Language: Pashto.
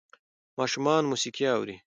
ماشومان موسیقي اوري.